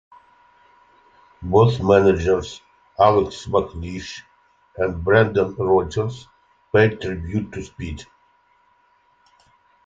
Both managers, Alex McLeish and Brendan Rodgers, paid tribute to Speed.